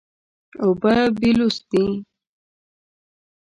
اوبه بېلوث دي.